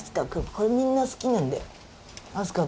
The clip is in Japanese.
これみんな好きなんだよ